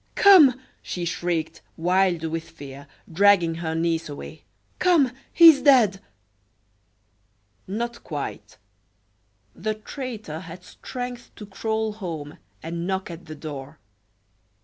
"Come!" she shrieked, wild with fear, dragging her niece away. "Come he is dead!" Not quite. The traitor had strength to crawl home and knock at the door.